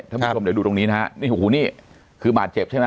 ท่านผู้ชมเดี๋ยวดูตรงนี้นะฮะนี่โอ้โหนี่คือบาดเจ็บใช่ไหม